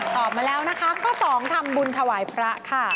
ตอบมาแล้วนะคะข้อ๒ธรรมบุญถวายพระค่ะ